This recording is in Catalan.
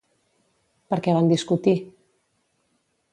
Per què van discutir?